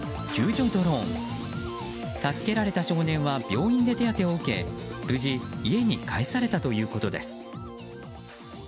助けられた少年は病院で手当てを受け無事家に帰されたということです。